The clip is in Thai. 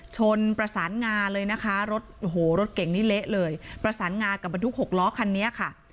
ชนปรสานงาเลยนะคะรถเก่งนี้เละเลยปรสานงากับบันทุก๖ร้อคันนี้ค่ะ